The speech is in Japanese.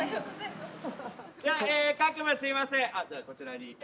こちらに。